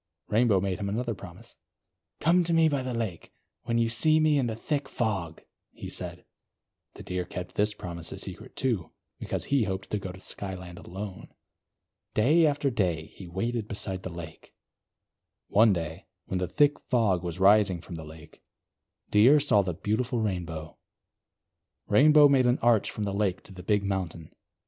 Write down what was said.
Rainbow made him another promise. "Come to me by the lake, when you see me in the thick fog," he said. The Deer kept this promise a secret, too; because he hoped to go to Skyland alone. Day after day, he waited beside the lake. One day, when the thick fog was rising from the lake, Deer saw the beautiful Rainbow. Rainbow made an arch from the lake to the big mountain.